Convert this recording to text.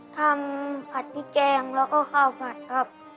ทำผัดพี่แจงแล้วก็ข้าวผัดครับ